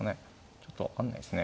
ちょっと分かんないですね